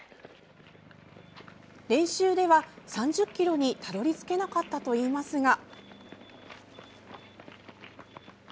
練習では、３０ｋｍにたどり着けなかったといいますが。